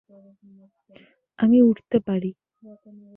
আমি উড়তে পারি।